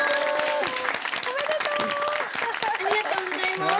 ありがとうございます。